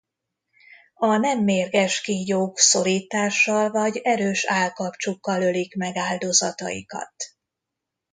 A nem mérges kígyók szorítással vagy erős állkapcsukkal ölik meg áldozataikat.